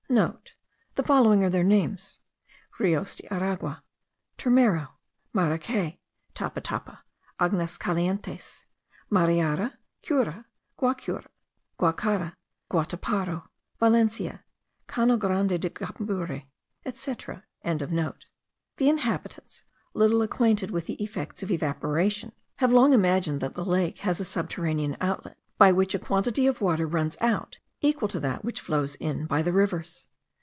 (* The following are their names: Rios de Aragua, Turmero, Maracay, Tapatapa, Agnes Calientes, Mariara, Cura, Guacara, Guataparo, Valencia, Cano Grande de Cambury, etc.) The inhabitants, little acquainted with the effects of evaporation, have long imagined that the lake has a subterranean outlet, by which a quantity of water runs out equal to that which flows in by the rivers.